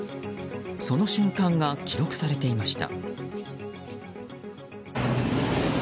その瞬間が記録されていました。